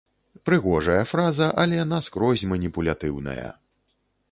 Прыгожая фраза, але наскрозь маніпулятыўная.